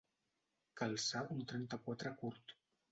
Calçar un trenta-quatre curt.